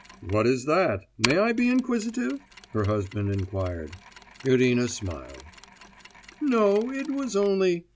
'What is that? May I be inquisitive?' her husband queried. Irina smiled. 'No, it was only